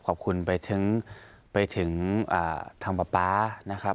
ขอบคุณไปถึงทางป๊าป๊านะครับ